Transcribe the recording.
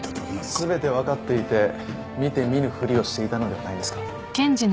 全て分かっていて見て見ぬふりをしていたのではないんですか。